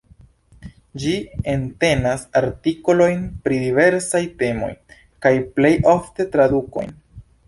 Ĝi entenas artikolojn pri diversaj temoj, kaj plej ofte tradukojn.